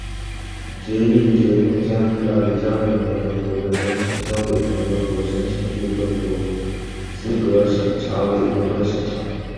决议决定将意大利加入联合国的申请交给联合国申请入会国资格审查委员会审查。